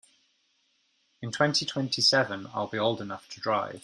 In twenty-twenty-seven I will old enough to drive.